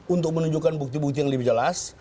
untuk menunjukkan bukti bukti yang lebih jelas